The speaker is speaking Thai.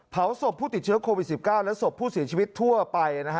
เผาศพผู้ติดเชื้อโควิด๑๙และศพผู้เสียชีวิตทั่วไปนะฮะ